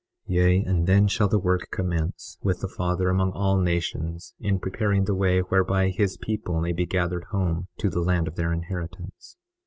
21:28 Yea, and then shall the work commence, with the Father among all nations in preparing the way whereby his people may be gathered home to the land of their inheritance.